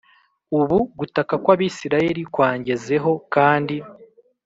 Ubu gutaka kw Abisirayeli kwangezeho kandi